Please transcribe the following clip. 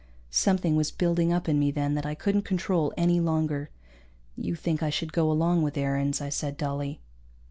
Something was building up in me then that I couldn't control any longer. "You think I should go along with Aarons," I said dully.